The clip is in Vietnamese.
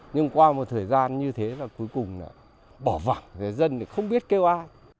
nhưng qua một thời gian như thế là cuối cùng bỏ vẳng dân không biết kêu ai